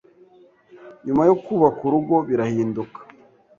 nyuma yo kubaka urugo birahinduka